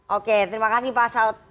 oke terima kasih pak saud